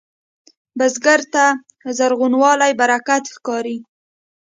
بزګر ته زرغونوالی برکت ښکاري